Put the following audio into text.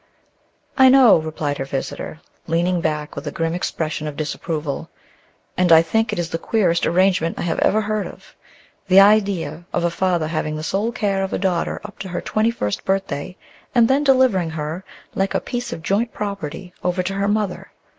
"I know," replied her visitor, leaning back with a grim expression of disapproval, "and I think it the queerest arrangement I ever heard of. The idea of a father having the sole care of a daughter up to her twenty first birthday, and then delivering her, like a piece of joint property, over to her mother!